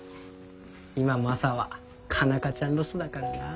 今マサは佳奈花ちゃんロスだからな。